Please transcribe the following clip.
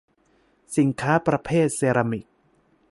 สินค้าประเภทเซรามิก